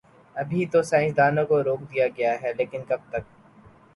ابھی تو سائنس دانوں کو روک دیا گیا ہے، لیکن کب تک؟